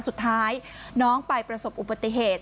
สุดท้ายน้องไปประสบอุบัติเหตุ